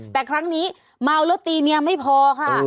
แต่ครั้งนี้เมาแล้วตีเมียไม่พอค่ะ